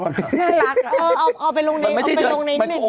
น่ารักเอาไปลงในนี่ไม่ดี